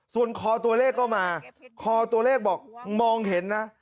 ส่วนคอตัวเลขก็มาคอตัวเลขบอกมองเห็นนะ